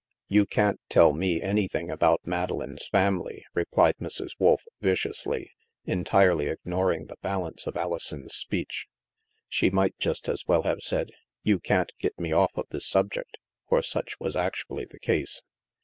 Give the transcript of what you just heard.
"You can't tell me anything about Madeleine's family," replied Mrs. Wolf viciously, entirely ig noring the balance of Alison's speech. She might just as well have said, " You can't get me off of this subject," for such was actually the case.